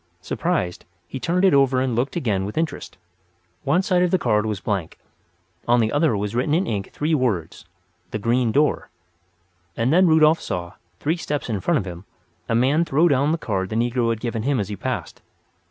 Surprised, he turned it over and looked again with interest. One side of the card was blank; on the other was written in ink three words, "The Green Door." And then Rudolf saw, three steps in front of him, a man throw down the card the negro had given him as he passed.